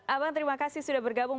abang terima kasih sudah bergabung